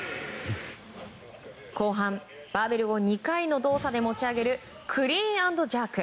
後半、バーベルを２回の動作で持ち上げるクリーン＆ジャーク。